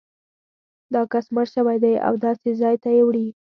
دا کس مړ شوی دی او داسې ځای ته یې وړي.